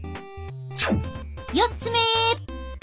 ４つ目！